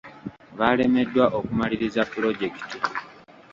Baalemeddwa okumaliriza pulojekiti.